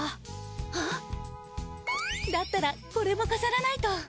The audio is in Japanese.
あっだったらこれも飾らないと。